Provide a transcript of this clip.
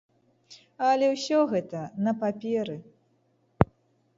Але ўсё гэта на паперы.